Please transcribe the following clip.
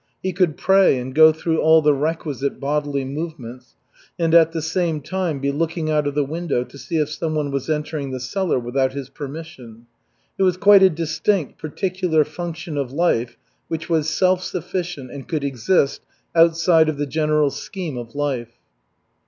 He could pray and go through all the requisite bodily movements, and at the same time be looking out of the window to see if someone was entering the cellar without his permission. It was quite a distinct, particular function of life, which was self sufficient and could exist outside of the general scheme of life.